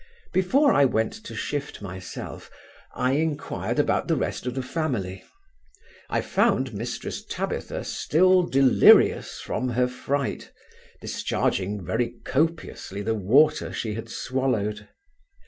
Before I went to shift myself, I inquired about the rest of the family I found Mrs Tabitha still delirious from her fright, discharging very copiously the water she had swallowed.